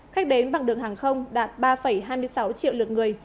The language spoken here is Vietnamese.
khách đến bằng đường hàng không đạt ba hai mươi sáu triệu lượt người